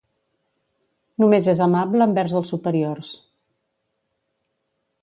Només és amable envers els superiors.